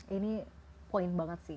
ini poin banget sih